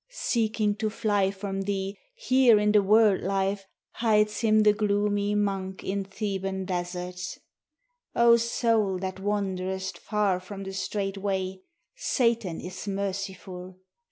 Seeking to fly from thee, Here in the world life Hides him the gloomy monk In Theban deserts. O soul that wanderest Far from the straight way, Satan is merciful.